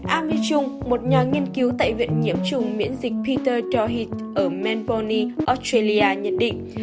amy chung một nhà nghiên cứu tại viện nhiễm trùng miễn dịch peter doherty ở manboni australia nhận định